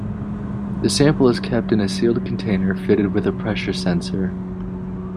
The sample is kept in a sealed container fitted with a pressure sensor.